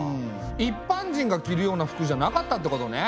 一般人が着るような服じゃなかったってことね。